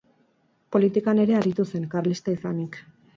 Politikan ere aritu zen, karlista izanik.